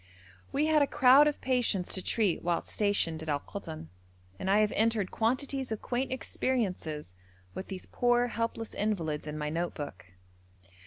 We had a crowd of patients to treat whilst stationed at Al Koton, and I have entered quantities of quaint experiences with these poor helpless invalids in my note book.